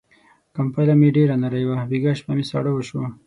کمپله مې ډېره نری وه، بيګاه شپه مې ساړه وشو.